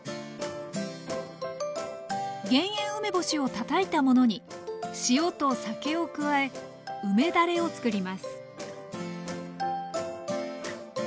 減塩梅干しをたたいたものに塩と酒を加え梅だれを作ります